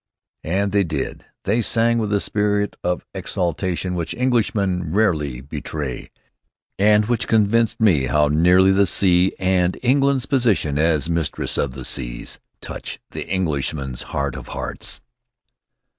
'" And they did. They sang with a spirit of exaltation which Englishmen rarely betray, and which convinced me how nearly the sea and England's position as Mistress of the Seas touch the Englishman's heart of hearts.